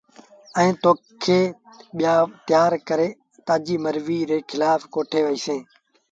ائيٚݩٚ تو کي ٻيآ تيآر ڪري تآجيٚ مرزيٚ ري کلآڦ ڪوٺي وهيٚسينٚ۔